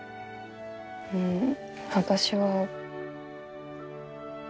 うん私は。